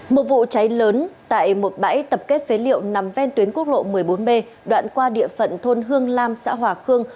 một vụ cháy lớn tại một bãi tập kết phế liệu nằm ven tuyến quốc lộ một mươi bốn b đoạn qua địa phận thôn hương lam xã hòa khương